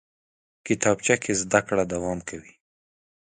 کتابچه کې زده کړه دوام کوي